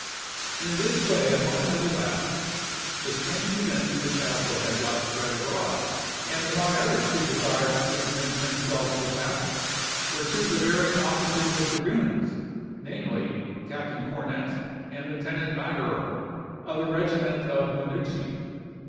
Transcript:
"In this way a month had elapsed: the strange events at the castle had got spread abroad; and among others who desired to convince themselves of the facts were two Bavarian officers of dragoons, namely, Captain Cornet and Lieutenant Magerle, of the regiment of Minuci.